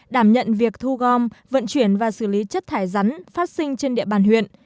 đảm nhận việc thu gom vận chuyển và xử lý chất thải rắn phát sinh trên địa bàn huyện